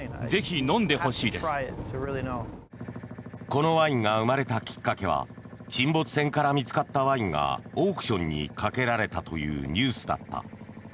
このワインが生まれたきっかけは沈没船から見つかったワインがオークションにかけられたというニュースだった。